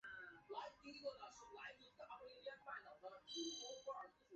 天顺八年甲申科进士第二甲第十六名。